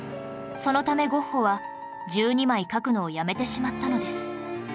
そのためゴッホは１２枚描くのをやめてしまったのです